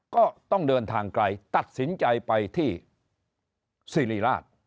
ก็ต้องเดินทางไกลตัดสินใจไปที่สิริราช